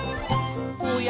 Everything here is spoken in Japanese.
「おや？